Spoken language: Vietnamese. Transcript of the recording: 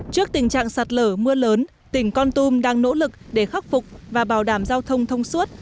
trước tình trạng sạt lở mưa lớn tỉnh con tum đang nỗ lực để khắc phục và bảo đảm giao thông thông suốt